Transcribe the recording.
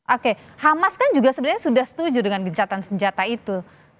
oke hamas kan juga sebenarnya sudah setuju dengan gencatan senjata itu